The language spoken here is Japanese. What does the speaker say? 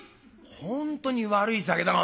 「本当に悪い酒だな